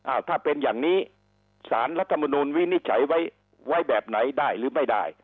ถ้าเป็นอย่างนี้สารรัฐมนุนวินิจฉัยไว้แบบไหนได้หรือไม่ได้